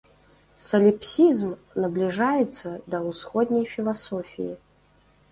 Саліпсізм набліжаецца да ўсходняй філасофіі.